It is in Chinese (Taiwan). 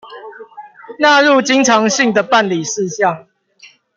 納入經常性的辦理事項